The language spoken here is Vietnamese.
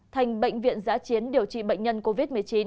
thành bệnh viện giã chiến điều trị bệnh nhân covid một mươi chín